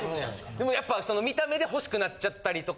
でもやっぱ見た目で欲しくなっちゃったりとか。